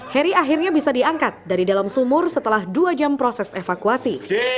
heri akhirnya bisa diangkat dari dalam sumur setelah dua jam proses evakuasi